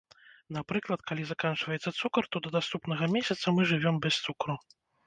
Напрыклад, калі заканчваецца цукар, то да наступнага месяца мы жывём без цукру.